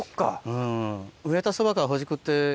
うん。